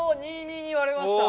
２２に割れました。